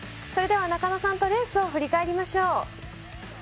中野さんとレースを振り返りましょう。